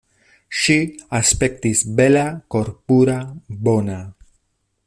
Ŝi aspektis bela, korpura, bona.